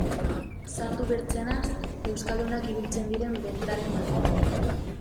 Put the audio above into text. Sartu bertzenaz euskaldunak ibiltzen diren bentaren batean...